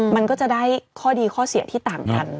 มันก็จะได้ข้อดีข้อเสียที่ต่างกัน